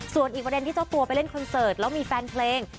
ส่วนอีกประเด็นที่เจ้าตัวไปเล่นคอนเสิร์ตแล้วมีแฟนเพลง